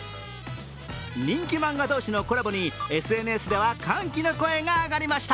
人気漫画同士のコラボにＳＮＳでは歓喜の声が上がりました。